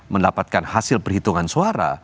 mendapatkan hasil perhitungan suara